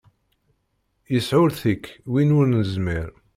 Yesɛullet-ik win ur nezmir.